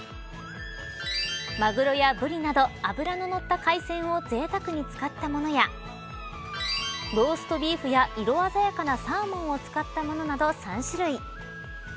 マグロやブリなど脂ののった海鮮をぜいたくに使ったものやローストビーフや色鮮やかなサーモンを使ったものなど３種類。